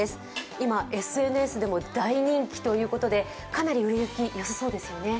今、ＳＮＳでも大人気ということでかなり売れ行きよさそうですよね。